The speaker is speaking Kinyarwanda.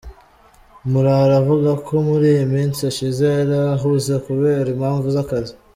Murara avuga ko muri iyi minsi ishize yari ahuze kubera impamvu z’akazi.